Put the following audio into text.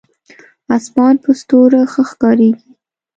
اسمان په ستورو ښه ښکارېږي.